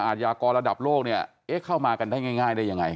ยากรระดับโลกเนี่ยเอ๊ะเข้ามากันได้ง่ายได้ยังไง